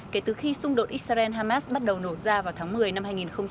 kể từ khi xung đột israel hamas bắt đầu nổ ra vào tháng một mươi năm hai nghìn một mươi ba